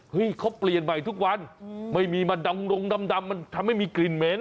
เขาเปลี่ยนใหม่ทุกวันไม่มีมาดำดงดำมันทำให้มีกลิ่นเหม็น